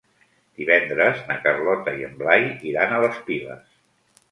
Divendres na Carlota i en Blai iran a les Piles.